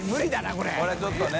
これちょっとね。